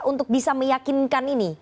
untuk bisa meyakinkan ini